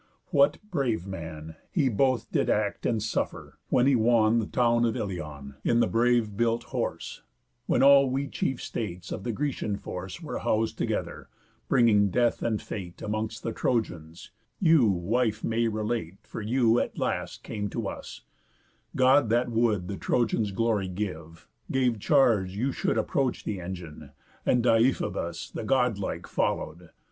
What, brave man, He both did act, and suffer, when he wan The town of Ilion, in the brave built horse, When all we chief states of the Grecian force Were hous'd together, bringing death and Fate Amongst the Trojans, you, wife, may relate; For you, at last, came to us; God, that would The Trojans' glory give, gave charge you should Approach the engine; and Deiphobus, The god like, follow'd.